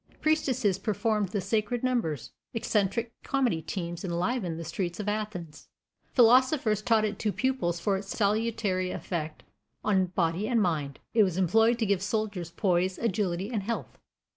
Priestesses performed the sacred numbers; eccentric comedy teams enlivened the streets of Athens. Philosophers taught it to pupils for its salutary effect on body and mind; it was employed to give soldiers poise, agility and health.